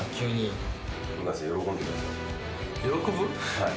はい。